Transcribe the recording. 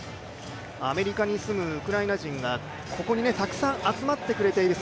アメリカに住むウクライナ人がここにたくさん集まってくれている。